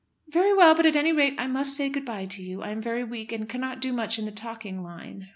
"Very well; but at any rate I must say good bye to you. I am very weak, and cannot do much in the talking line."